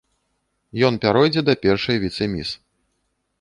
Ён пяройдзе да першай віцэ-міс.